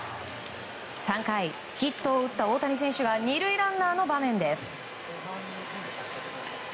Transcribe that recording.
３回、ヒットを打った大谷選手が２塁ランナーの場面です。